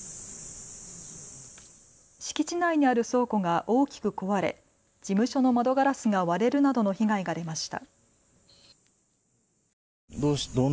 敷地内にある倉庫が大きく壊れ事務所の窓ガラスが割れるなどの被害が出ました。